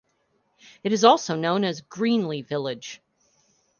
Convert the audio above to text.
It is also known as "Greenly Village".